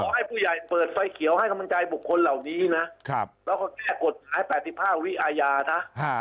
ให้ผู้ใหญ่เปิดไฟเขียวให้กำลังใจบุคคลเหล่านี้นะแล้วก็แก้กฎหมาย๘๕วิอาญานะ